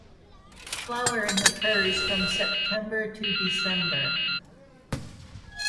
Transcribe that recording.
Flowering occurs from September to December.